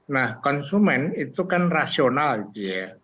nah konsumen itu kan rasional gitu ya